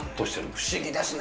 不思議ですね。